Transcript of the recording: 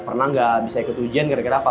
pernah nggak bisa ikut ujian gara gara apa